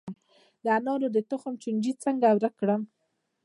د انارو د تخم چینجی څنګه ورک کړم؟